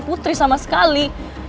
putri sama sekali